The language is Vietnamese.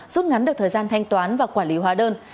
rút ngắn được thời gian thanh toán và quản lý hóa đơn